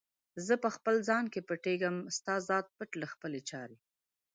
زه په خپل ځان کې پټیږم، ستا ذات پټ له خپلي چارې